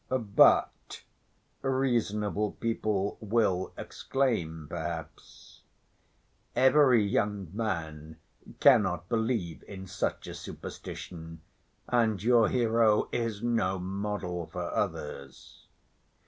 "But," reasonable people will exclaim perhaps, "every young man cannot believe in such a superstition and your hero is no model for others."